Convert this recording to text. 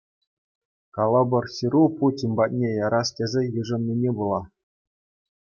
Калӑпӑр ҫыру Путин патне ярас тесе йышӑннине пула.